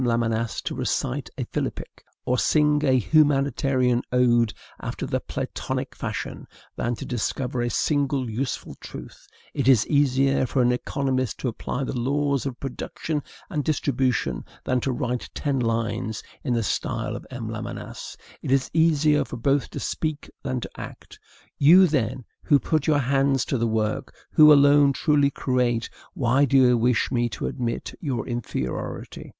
Lamennais to recite a philippic, or sing a humanitarian ode after the Platonic fashion, than to discover a single useful truth; it is easier for an economist to apply the laws of production and distribution than to write ten lines in the style of M. Lamennais; it is easier for both to speak than to act. You, then, who put your hands to the work, who alone truly create, why do you wish me to admit your inferiority?